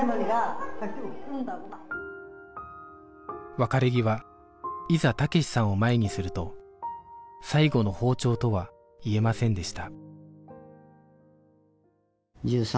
別れ際いざ武志さんを前にすると最後の訪朝とは言えませんでした